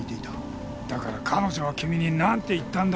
だから彼女は君になんて言ったんだ？